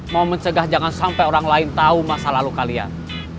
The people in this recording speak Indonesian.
mau mencegah jangan sampai orang lain tahu masa lalu kalian